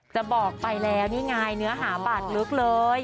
จะบอกไปแล้วนี่ไงเนื้อหาบาดลึกเลย